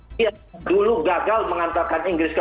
dia yang dulu gagal mengantarkan inggris ke empat